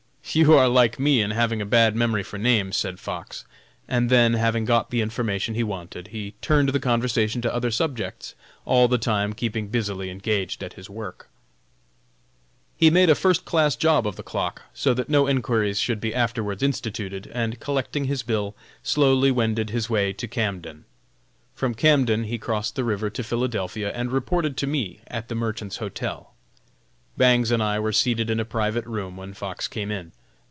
"You are like me in having a bad memory for names," said Fox, and then, having got the information he wanted, he turned the conversation to other subjects, all the time keeping busily engaged at his work. He made a first class job of the clock, so that no enquiries should be afterwards instituted, and collecting his bill, slowly wended his way to Camden. From Camden he crossed the river to Philadelphia and reported to me at the Merchants' Hotel. Bangs and I were seated in a private room when Fox came in.